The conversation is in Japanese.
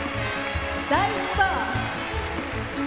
大スター！